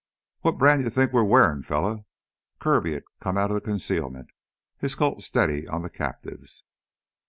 "What brand you think we're wearin', fella?" Kirby had come out of concealment, his Colt steady on the captives.